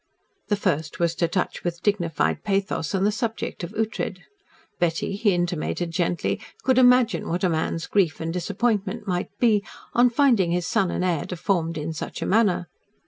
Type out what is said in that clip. The first was to touch with dignified pathos on the subject of Ughtred. Betty, he intimated gently, could imagine what a man's grief and disappointment might be on finding his son and heir deformed in such a manner.